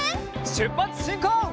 しゅっぱつしんこう！